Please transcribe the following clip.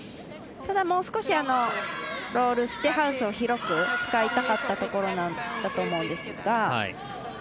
ただ、もう少しロールしてハウスを広く使いたかったところだと思いますが。